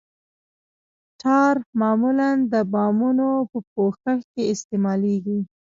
ټار معمولاً د بامونو په پوښښ کې استعمالیږي